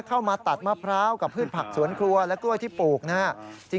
เข้ามาตัดมะพร้าวกับพืชผักสวนครัวและกล้วยที่ปลูกนะครับ